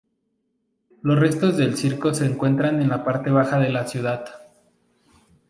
Los restos del circo se encuentran en la parte baja de la ciudad.